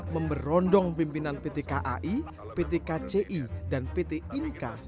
memberondong pimpinan pt kai pt kci dan pt inka